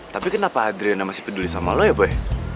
tapi kenapa adriana masih peduli sama lu ya boy